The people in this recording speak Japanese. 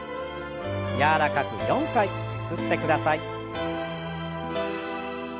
柔らかく４回ゆすってください。